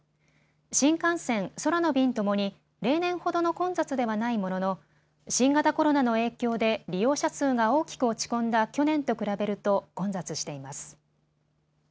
新幹線、空の便ともに例年ほどの混雑ではないものの新型コロナの影響で利用者数が大きく落ち込んだ去年と比べると混雑しています。